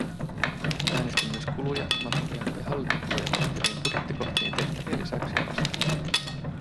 Äänestin myös kuluja, matkoja ja hallintokuluja koskeviin budjettikohtiin tehtäviä lisäyksiä vastaan.